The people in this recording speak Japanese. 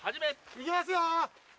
いきますよ。